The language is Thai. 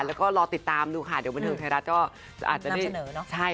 และก็รอติดตามดูค่ะเดี๋ยวบันทึกไทยรัฐก็อาจจะได้